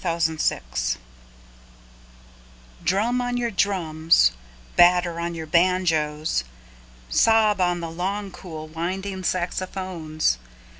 Jazz Fantasia DRUM on your drums, batter on your banjoes, sob on the long cool winding saxophones.